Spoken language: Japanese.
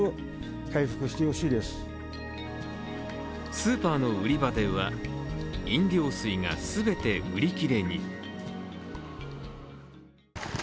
スーパーの売り場では飲料水が全て売り切れに。